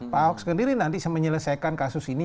pak ahok sendiri nanti menyelesaikan kasus ini